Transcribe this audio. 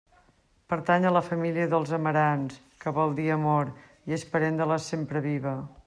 Pertany a la família dels amarants, que vol dir amor, i és parent de la sempreviva.